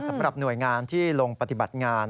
สำหรับหน่วยงานที่ลงปฏิบัติงาน